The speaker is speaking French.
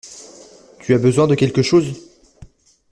Tu as besoin de quelque chose?